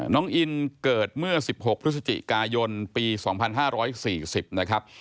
น้องอินเกิดเมื่อ๑๖พฤศจิกายนปี๒๕๔๐นะครับ